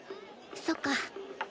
そっか。